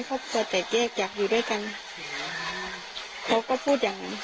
ก่อนที่เขาจะเอาเรามาส่ง